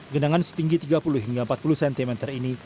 genangan setinggi tiga puluh hingga empat puluh cm ini